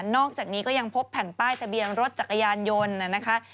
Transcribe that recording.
อกจากนี้ก็ยังพบแผ่นป้ายทะเบียนรถจักรยานยนต์นะคะ